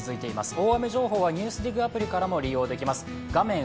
大雨情報は「ＮＥＷＳＤＩＧ」アプリからもご確認できます。